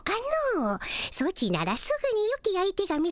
ソチならすぐによき相手が見つかると思うがの。